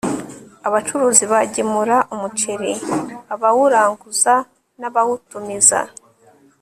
Abacuruzi bagemura umuceri abawuranguza n abawutumiza